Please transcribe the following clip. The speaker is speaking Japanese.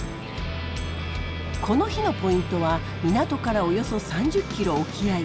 この日のポイントは港からおよそ３０ｋｍ沖合。